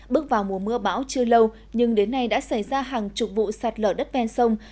bước vào mùa mưa bão chưa lâu nhưng đến nay đã xảy ra hàng chục vụ sạt lở đất ven sông